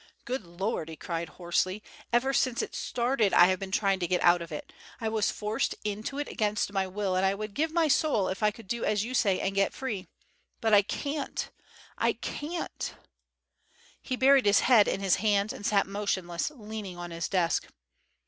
"Good lord!" he cried hoarsely. "Ever since it started I have been trying to get out of it. I was forced into it against my will and I would give my soul if I could do as you say and get free. But I can't—I can't." He buried his head in his hands and sat motionless, leaning on his desk.